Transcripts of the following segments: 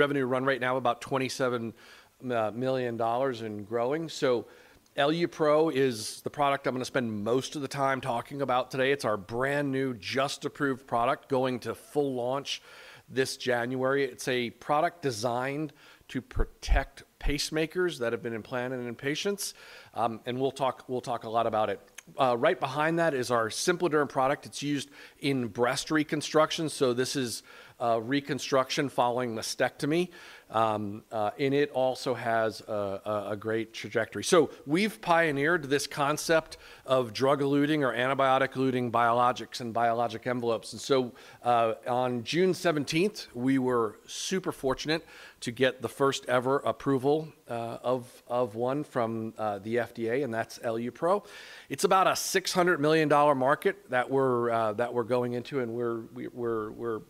Revenue run right now about $27 million and growing. EluPro is the product I'm going to spend most of the time talking about today. It's our brand new, just approved product going to full launch this January. It's a product designed to protect pacemakers that have been implanted in patients. We'll talk a lot about it. Right behind that is our SimpliDerm product. It's used in breast reconstruction. This is reconstruction following mastectomy. It also has a great trajectory. We've pioneered this concept of drug-eluting or antibiotic-eluting biologics and biologic envelopes. On June 17th, we were super fortunate to get the first ever approval of one from the FDA. That's EluPro. It's about a $600 million market that we're going into. We're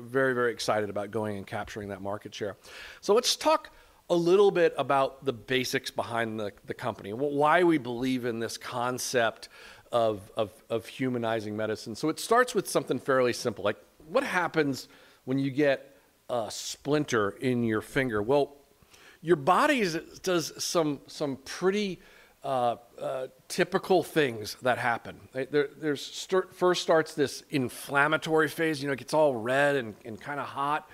very, very excited about going and capturing that market share. So let's talk a little bit about the basics behind the company and why we believe in this concept of humanizing medicine. So it starts with something fairly simple. What happens when you get a splinter in your finger? Well, your body does some pretty typical things that happen. First starts this inflammatory phase. It gets all red and kind of hot.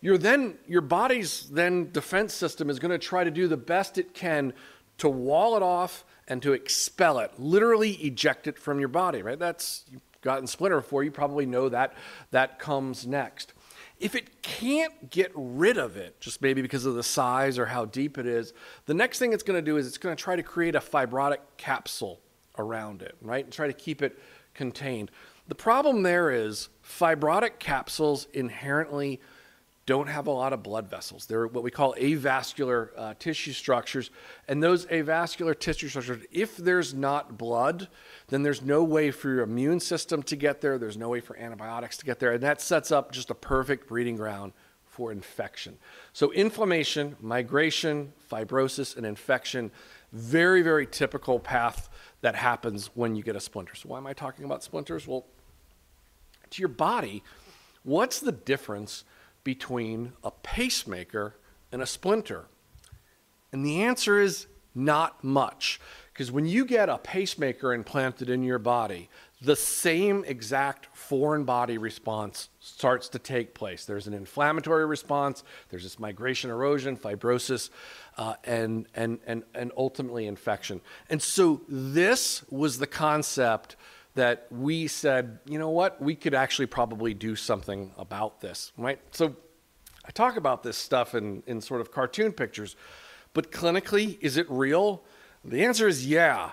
Your body's then defense system is going to try to do the best it can to wall it off and to expel it, literally eject it from your body. You've gotten a splinter before. You probably know that comes next. If it can't get rid of it, just maybe because of the size or how deep it is, the next thing it's going to do is it's going to try to create a fibrotic capsule around it and try to keep it contained. The problem there is fibrotic capsules inherently don't have a lot of blood vessels. They're what we call avascular tissue structures. And those avascular tissue structures, if there's not blood, then there's no way for your immune system to get there. There's no way for antibiotics to get there. And that sets up just a perfect breeding ground for infection. So inflammation, migration, fibrosis, and infection, very, very typical path that happens when you get a splinter. So why am I talking about splinters? Well, to your body, what's the difference between a pacemaker and a splinter? And the answer is not much. Because when you get a pacemaker implanted in your body, the same exact foreign body response starts to take place. There's an inflammatory response. There's this migration, erosion, fibrosis, and ultimately infection. And so this was the concept that we said, you know what, we could actually probably do something about this. So I talk about this stuff in sort of cartoon pictures. But clinically, is it real? The answer is yeah.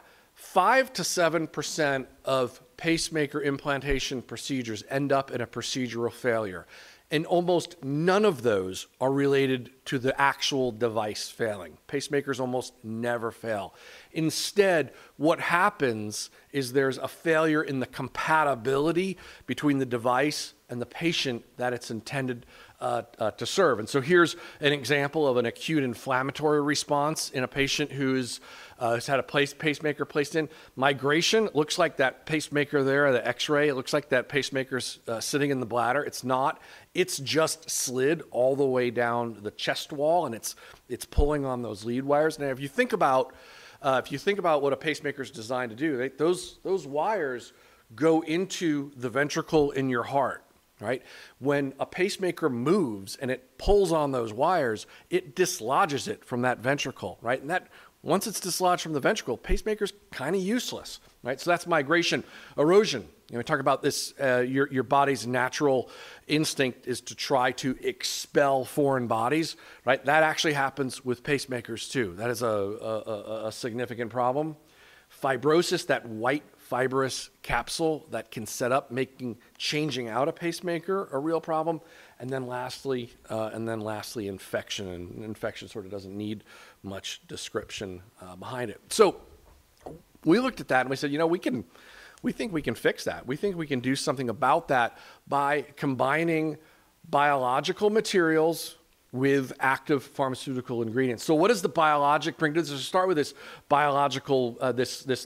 5%-7% of pacemaker implantation procedures end up in a procedural failure. And almost none of those are related to the actual device failing. Pacemakers almost never fail. Instead, what happens is there's a failure in the compatibility between the device and the patient that it's intended to serve. And so here's an example of an acute inflammatory response in a patient who's had a pacemaker placed in. Migration, it looks like that pacemaker there, the X-ray, it looks like that pacemaker's sitting in the bladder. It's not. It's just slid all the way down the chest wall. And it's pulling on those lead wires. Now, if you think about what a pacemaker is designed to do, those wires go into the ventricle in your heart. When a pacemaker moves and it pulls on those wires, it dislodges it from that ventricle, and once it's dislodged from the ventricle, pacemaker's kind of useless, so that's migration. Erosion, we talk about this. Your body's natural instinct is to try to expel foreign bodies. That actually happens with pacemakers too. That is a significant problem. Fibrosis, that white fibrous capsule that can set up making changing out a pacemaker a real problem, and then lastly, infection, and infection sort of doesn't need much description behind it, so we looked at that and we said, you know we think we can fix that. We think we can do something about that by combining biological materials with active pharmaceutical ingredients, so what does the biologic bring? Let's start with this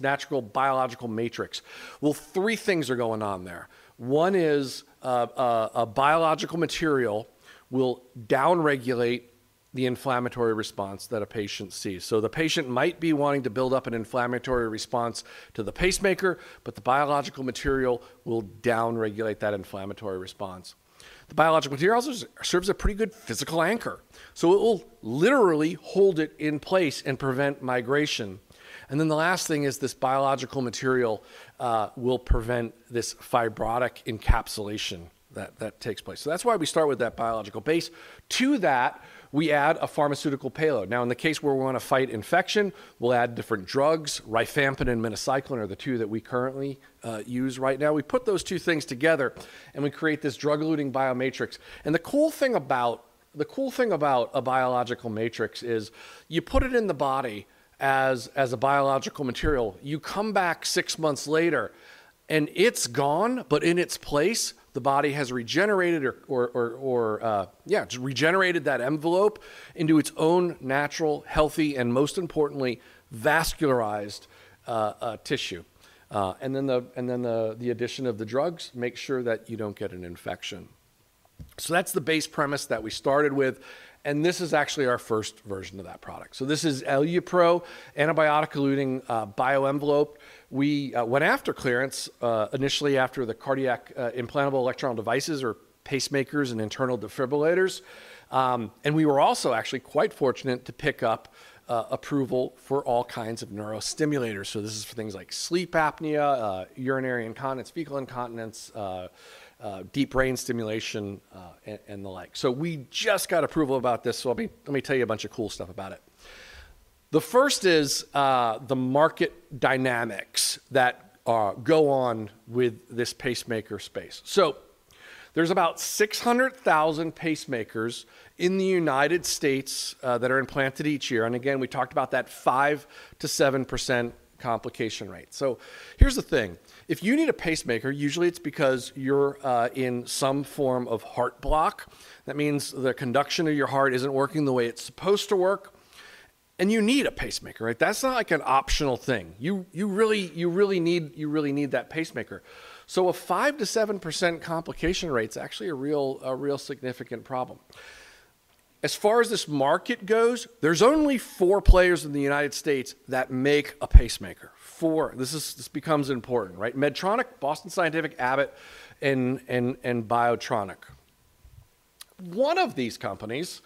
natural biological matrix. Well, three things are going on there. One is a biological material will downregulate the inflammatory response that a patient sees. So the patient might be wanting to build up an inflammatory response to the pacemaker, but the biological material will downregulate that inflammatory response. The biological material also serves a pretty good physical anchor. So it will literally hold it in place and prevent migration. And then the last thing is this biological material will prevent this fibrotic encapsulation that takes place. So that's why we start with that biological base. To that, we add a pharmaceutical payload. Now, in the case where we want to fight infection, we'll add different drugs. Rifampin and Minocycline are the two that we currently use right now. We put those two things together and we create this drug-eluting biomatrix. And the cool thing about a biological matrix is you put it in the body as a biological material. You come back six months later and it's gone, but in its place, the body has regenerated that envelope into its own natural, healthy, and most importantly, vascularized tissue. And then the addition of the drugs makes sure that you don't get an infection. So that's the base premise that we started with. And this is actually our first version of that product. So this is EluPro, antibiotic-eluting BioEnvelope. We went after clearance initially after the cardiac implantable electronic devices or pacemakers and internal defibrillators. And we were also actually quite fortunate to pick up approval for all kinds of neurostimulators. So this is for things like sleep apnea, urinary incontinence, fecal incontinence, deep brain stimulation, and the like. So we just got approval about this. Let me tell you a bunch of cool stuff about it. The first is the market dynamics that go on with this pacemaker space. There's about 600,000 pacemakers in the United States that are implanted each year. And again, we talked about that 5%-7% complication rate. Here's the thing. If you need a pacemaker, usually it's because you're in some form of heart block. That means the conduction of your heart isn't working the way it's supposed to work. And you need a pacemaker. That's not like an optional thing. You really need that pacemaker. A 5%-7% complication rate's actually a real significant problem. As far as this market goes, there's only four players in the United States that make a pacemaker. Four. This becomes important. Medtronic, Boston Scientific, Abbott, and Biotronik. One of these companies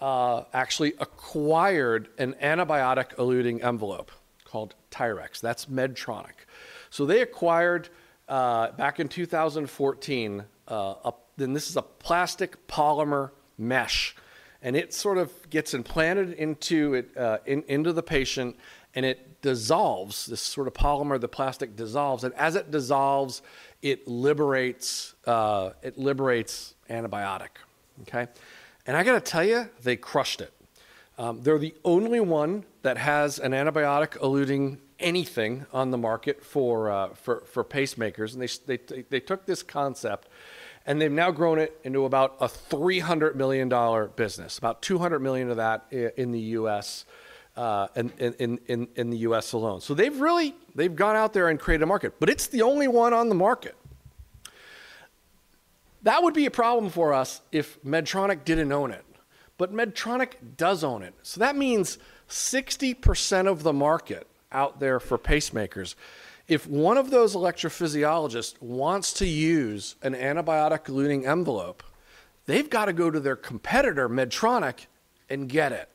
actually acquired an antibiotic-eluting envelope called TYRX. That's Medtronic. So they acquired back in 2014. And this is a plastic polymer mesh. And it sort of gets implanted into the patient. And it dissolves. This sort of polymer, the plastic dissolves. And as it dissolves, it liberates antibiotic. And I got to tell you, they crushed it. They're the only one that has an antibiotic-eluting anything on the market for pacemakers. And they took this concept and they've now grown it into about a $300 million business, about $200 million of that in the U.S. alone. So they've gone out there and created a market. But it's the only one on the market. That would be a problem for us if Medtronic didn't own it. But Medtronic does own it. That means 60% of the market out there for pacemakers. If one of those electrophysiologists wants to use an antibiotic-eluting envelope, they've got to go to their competitor, Medtronic, and get it.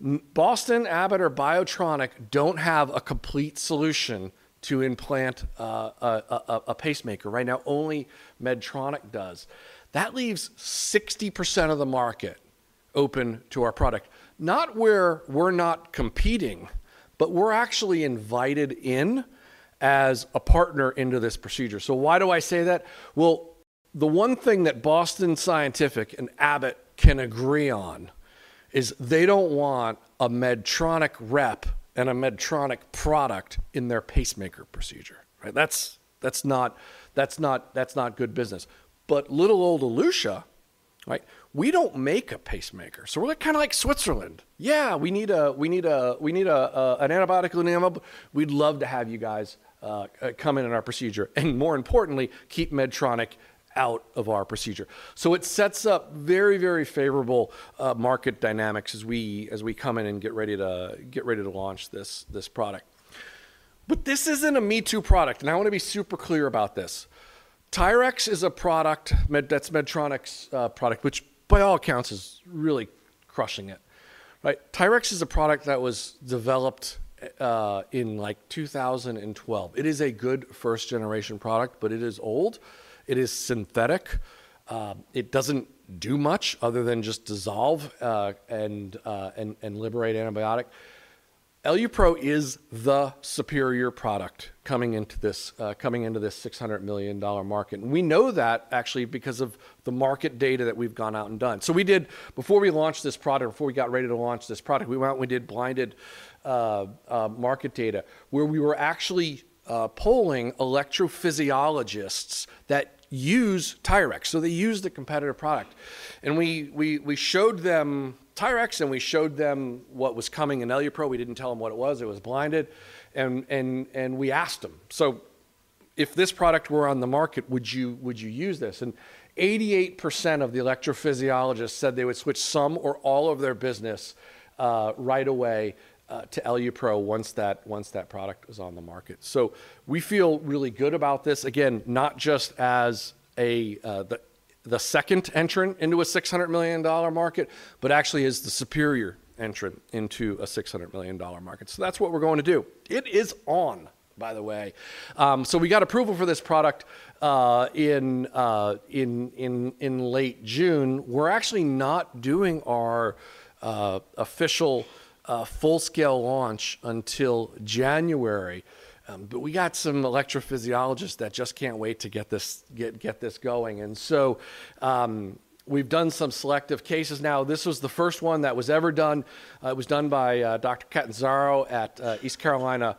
Boston, Abbott, or Biotronik don't have a complete solution to implant a pacemaker. Right now, only Medtronic does. That leaves 60% of the market open to our product. Not where we're not competing, but we're actually invited in as a partner into this procedure. Why do I say that? The one thing that Boston Scientific and Abbott can agree on is they don't want a Medtronic rep and a Medtronic product in their pacemaker procedure. That's not good business. But little old Elutia, we don't make a pacemaker. We're kind of like Switzerland. Yeah, we need an antibiotic-eluting envelope. We'd love to have you guys come in on our procedure. More importantly, keep Medtronic out of our procedure. It sets up very, very favorable market dynamics as we come in and get ready to launch this product. This isn't a me-too product. I want to be super clear about this. TYRX is a product that's Medtronic's product, which by all accounts is really crushing it. TYRX is a product that was developed in 2012. It is a good first-generation product, but it is old. It is synthetic. It doesn't do much other than just dissolve and liberate antibiotic. EluPro is the superior product coming into this $600 million market. We know that actually because of the market data that we've gone out and done. So before we launched this product, before we got ready to launch this product, we went out and we did blinded market data where we were actually polling electrophysiologists that use TYRX. So they use the competitor product. And we showed them TYRX and we showed them what was coming in EluPro. We didn't tell them what it was. It was blinded. And we asked them, "So if this product were on the market, would you use this?" And 88% of the electrophysiologists said they would switch some or all of their business right away to EluPro once that product was on the market. So we feel really good about this. Again, not just as the second entrant into a $600 million market, but actually as the superior entrant into a $600 million market. So that's what we're going to do. It is on, by the way. So we got approval for this product in late June. We're actually not doing our official full-scale launch until January. But we got some electrophysiologists that just can't wait to get this going. And so we've done some selective cases. Now, this was the first one that was ever done. It was done by Dr. Ketan Koranne at East Carolina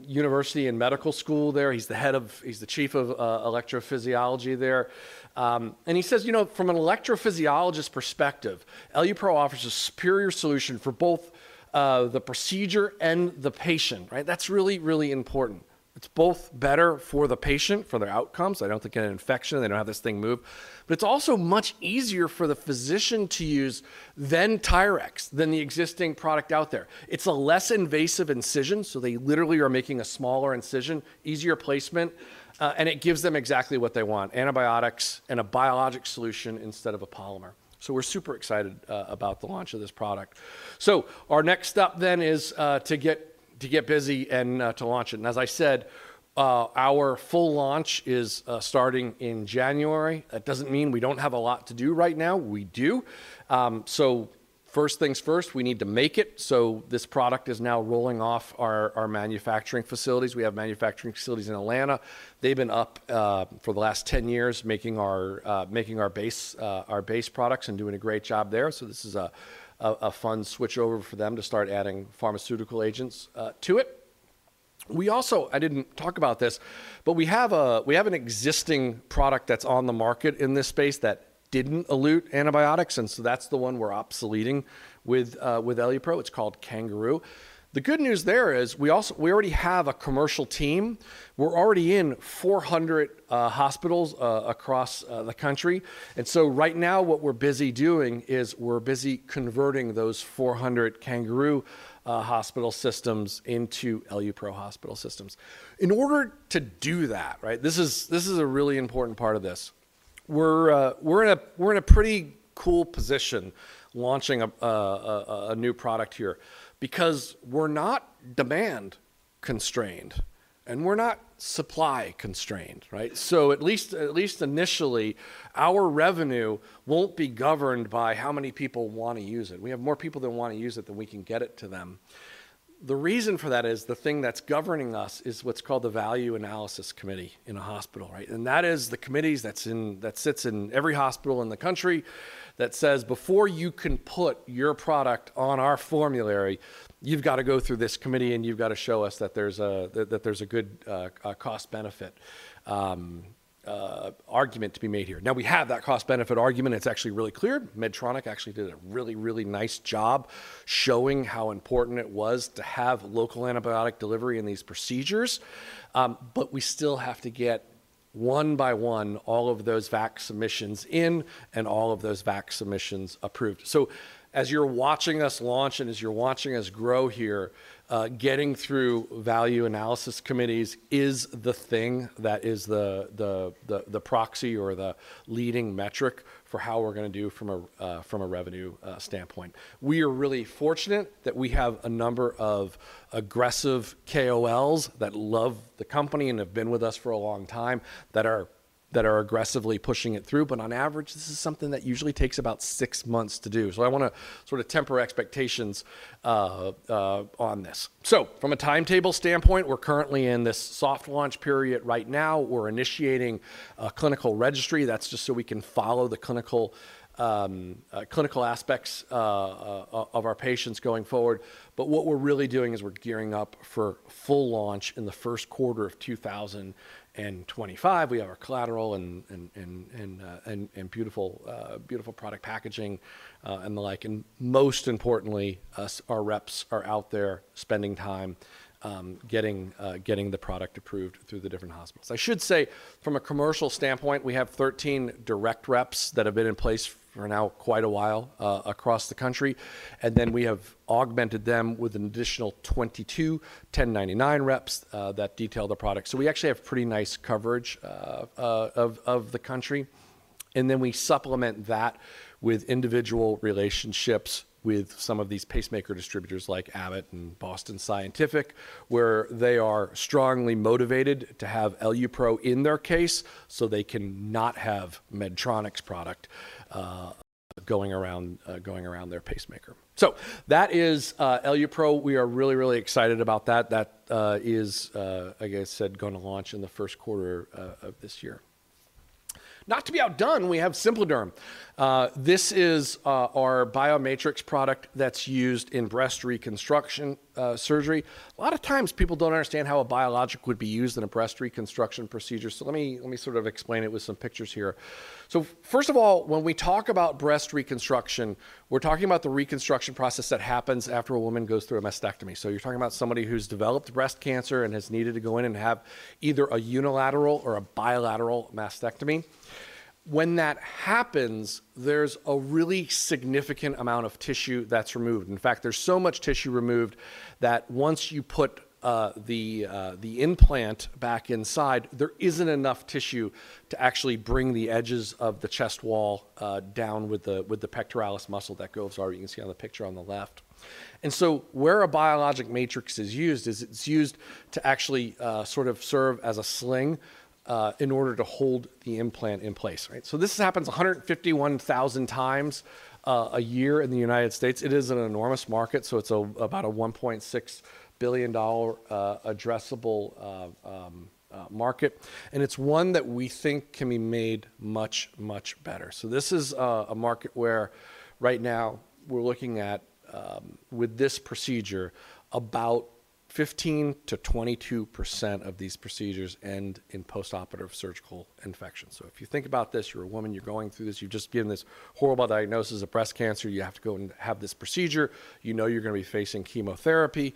University and Medical School there. He's the chief of electrophysiology there. And he says, "You know, from an electrophysiologist perspective, EluPro offers a superior solution for both the procedure and the patient." That's really, really important. It's both better for the patient, for their outcomes. I don't think an infection, they don't have this thing move. But it's also much easier for the physician to use than TYRX, than the existing product out there. It's a less invasive incision. So they literally are making a smaller incision, easier placement. It gives them exactly what they want: antibiotics and a biologic solution instead of a polymer. We're super excited about the launch of this product. Our next step then is to get busy and to launch it. As I said, our full launch is starting in January. That doesn't mean we don't have a lot to do right now. We do. First things first, we need to make it. This product is now rolling off our manufacturing facilities. We have manufacturing facilities in Atlanta. They've been up for the last 10 years making our base products and doing a great job there. This is a fun switchover for them to start adding pharmaceutical agents to it. I didn't talk about this, but we have an existing product that's on the market in this space that didn't elute antibiotics. And so that's the one we're obsoleting with EluPro. It's called CanGaroo. The good news there is we already have a commercial team. We're already in 400 hospitals across the country. And so right now, what we're busy doing is we're busy converting those 400 CanGaroo hospital systems into EluPro hospital systems. In order to do that, this is a really important part of this. We're in a pretty cool position launching a new product here because we're not demand-constrained and we're not supply-constrained. So at least initially, our revenue won't be governed by how many people want to use it. We have more people that want to use it than we can get it to them. The reason for that is the thing that's governing us is what's called the Value Analysis Committee in a hospital. That is the committee that sits in every hospital in the country that says, "Before you can put your product on our formulary, you've got to go through this committee and you've got to show us that there's a good cost-benefit argument to be made here." Now, we have that cost-benefit argument. It's actually really clear. Medtronic actually did a really, really nice job showing how important it was to have local antibiotic delivery in these procedures. But we still have to get one by one all of those VAC submissions in and all of those VAC submissions approved. So as you're watching us launch and as you're watching us grow here, getting through value analysis committees is the thing that is the proxy or the leading metric for how we're going to do from a revenue standpoint. We are really fortunate that we have a number of aggressive KOLs that love the company and have been with us for a long time that are aggressively pushing it through, but on average, this is something that usually takes about six months to do, so I want to sort of temper expectations on this, so from a timetable standpoint, we're currently in this soft launch period right now. We're initiating a clinical registry. That's just so we can follow the clinical aspects of our patients going forward, but what we're really doing is we're gearing up for full launch in the Q1 of 2025. We have our collateral and beautiful product packaging and the like, and most importantly, our reps are out there spending time getting the product approved through the different hospitals. I should say from a commercial standpoint, we have 13 direct reps that have been in place for now quite a while across the country, and then we have augmented them with an additional 22 1099 reps that detail the product. So we actually have pretty nice coverage of the country, and then we supplement that with individual relationships with some of these pacemaker distributors like Abbott and Boston Scientific, where they are strongly motivated to have EluPro in their case so they can not have Medtronic's product going around their pacemaker, so that is EluPro. We are really, really excited about that. That is, like I said, going to launch in the Q1 of this year. Not to be outdone, we have SimpliDerm. This is our biologics product that's used in breast reconstruction surgery. A lot of times, people don't understand how a biologic would be used in a breast reconstruction procedure. So let me sort of explain it with some pictures here. So first of all, when we talk about breast reconstruction, we're talking about the reconstruction process that happens after a woman goes through a mastectomy. So you're talking about somebody who's developed breast cancer and has needed to go in and have either a unilateral or a bilateral mastectomy. When that happens, there's a really significant amount of tissue that's removed. In fact, there's so much tissue removed that once you put the implant back inside, there isn't enough tissue to actually bring the edges of the chest wall down with the pectoralis muscle that goes over. You can see on the picture on the left. And so where a biologic matrix is used, it's used to actually sort of serve as a sling in order to hold the implant in place. So this happens 151,000 times a year in the United States. It is an enormous market. So it's about a $1.6 billion addressable market. And it's one that we think can be made much, much better. So this is a market where right now, we're looking at, with this procedure, about 15%-22% of these procedures end in post-operative surgical infection. So if you think about this, you're a woman, you're going through this, you've just given this horrible diagnosis of breast cancer, you have to go and have this procedure, you know you're going to be facing chemotherapy,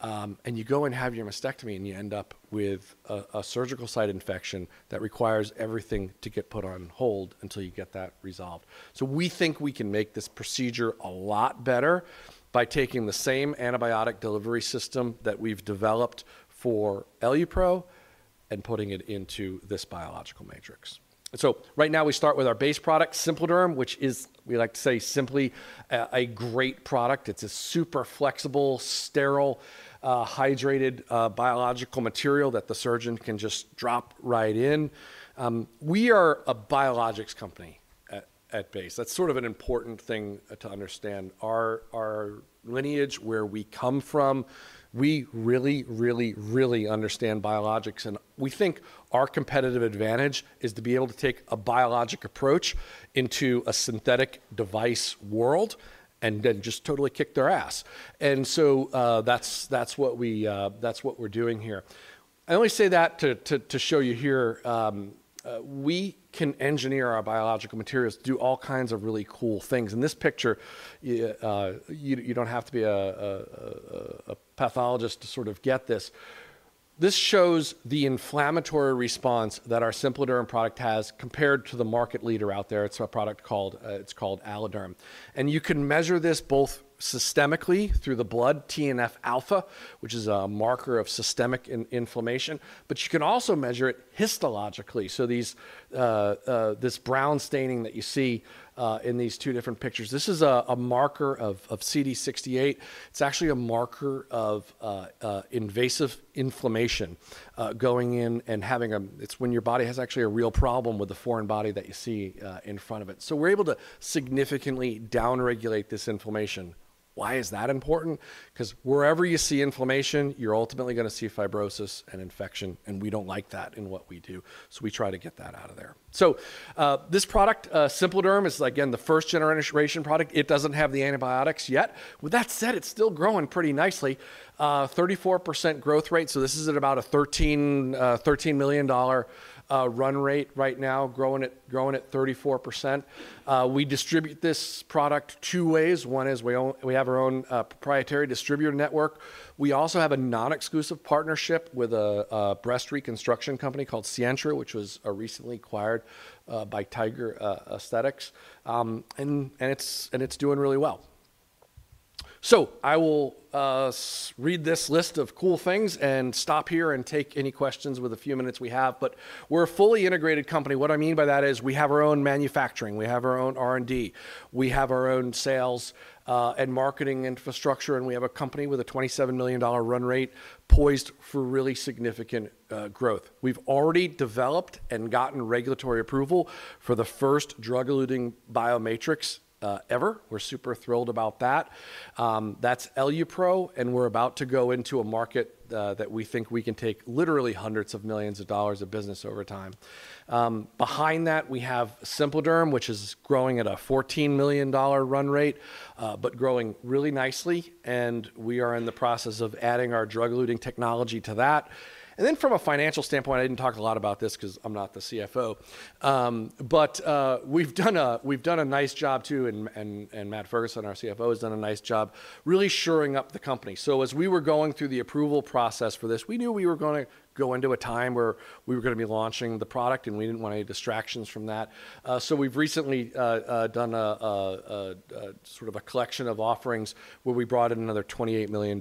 and you go and have your mastectomy and you end up with a surgical site infection that requires everything to get put on hold until you get that resolved. So we think we can make this procedure a lot better by taking the same antibiotic delivery system that we've developed for EluPro and putting it into this biological matrix. So right now, we start with our base product, SimpliDerm, which is, we like to say simply, a great product. It's a super flexible, sterile, hydrated biological material that the surgeon can just drop right in. We are a biologics company at base. That's sort of an important thing to understand. Our lineage, where we come from, we really, really, really understand biologics. And we think our competitive advantage is to be able to take a biologic approach into a synthetic device world and then just totally kick their ass. And so that's what we're doing here. I only say that to show you here. We can engineer our biological materials, do all kinds of really cool things. In this picture, you don't have to be a pathologist to sort of get this. This shows the inflammatory response that our SimpliDerm product has compared to the market leader out there. It's a product called AlloDerm. And you can measure this both systemically through the blood TNF-alpha, which is a marker of systemic inflammation. But you can also measure it histologically. So this brown staining that you see in these two different pictures, this is a marker of CD68. It's actually a marker of invasive inflammation going in and it's when your body has actually a real problem with the foreign body that you see in front of it. So we're able to significantly downregulate this inflammation. Why is that important? Because wherever you see inflammation, you're ultimately going to see fibrosis and infection. And we don't like that in what we do. So we try to get that out of there. So this product, SimpliDerm, is again the first-generation product. It doesn't have the antibiotics yet. With that said, it's still growing pretty nicely. 34% growth rate. So this is at about a $13 million run rate right now, growing at 34%. We distribute this product two ways. One is we have our own proprietary distributor network. We also have a non-exclusive partnership with a breast reconstruction company called Sientra, which was recently acquired by Tiger Aesthetics, and it's doing really well. I will read this list of cool things and stop here and take any questions with the few minutes we have. We're a fully integrated company. What I mean by that is we have our own manufacturing. We have our own R&D. We have our own sales and marketing infrastructure. We have a company with a $27 million run rate poised for really significant growth. We've already developed and gotten regulatory approval for the first drug-eluting biologics ever. We're super thrilled about that. That's EluPro. We're about to go into a market that we think we can take literally hundreds of millions of dollars of business over time. Behind that, we have SimpliDerm, which is growing at a $14 million run rate, but growing really nicely. And we are in the process of adding our drug-eluting technology to that. And then from a financial standpoint, I didn't talk a lot about this because I'm not the CFO. But we've done a nice job too. And Matt Ferguson, our CFO, has done a nice job really shoring up the company. So as we were going through the approval process for this, we knew we were going to go into a time where we were going to be launching the product. And we didn't want any distractions from that. So we've recently done sort of a collection of offerings where we brought in another $28 million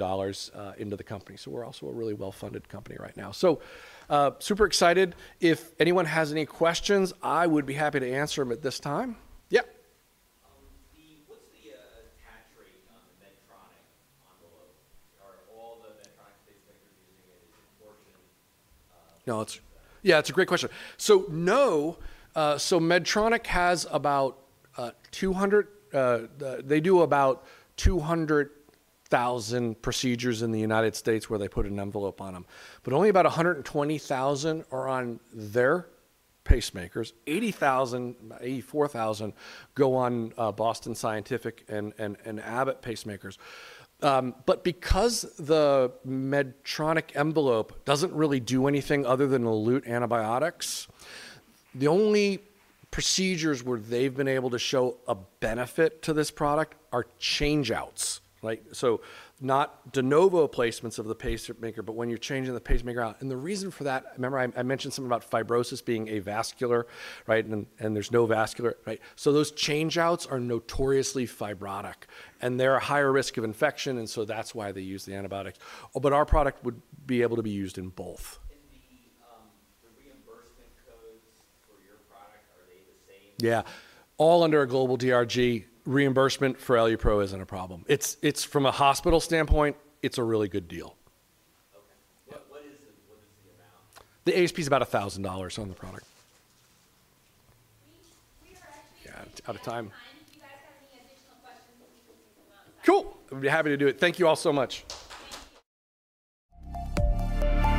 into the company. So we're also a really well-funded company right now. So super excited. If anyone has any questions, I would be happy to answer them at this time. Yeah. What's the tax rate on the Medtronic envelope? Are all the Medtronic space vendors using it? Is it portioned? Yeah, it's a great question. So no. So Medtronic has about 200, they do about 200,000 procedures in the United States where they put an envelope on them, but only about 120,000 are on their pacemakers. 84,000 go on Boston Scientific and Abbott pacemakers. But because the Medtronic envelope doesn't really do anything other than elute antibiotics, the only procedures where they've been able to show a benefit to this product are changeouts, so not de novo placements of the pacemaker, but when you're changing the pacemaker out, and the reason for that, remember I mentioned something about fibrosis being avascular, and there's no vascular, so those changeouts are notoriously fibrotic. They're at a higher risk of infection. So that's why they use the antibiotics. But our product would be able to be used in both. The reimbursement codes for your product, are they the same? Yeah. All under a global DRG, reimbursement for EluPro isn't a problem. From a hospital standpoint, it's a really good deal. Okay. What is the amount? The ASP is about $1,000 on the product. We are actually out of time. If you guys have any additional questions, we can think about that. Cool. I'll be happy to do it. Thank you all so much. Thank you.